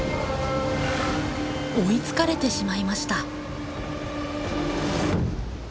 追いつかれてしまいました。